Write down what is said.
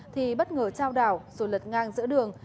thì bất ngờ trao đảo rồi lật ngang giữa đường